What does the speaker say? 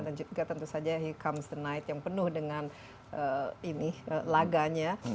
dan juga tentu saja here comes the night yang penuh dengan laganya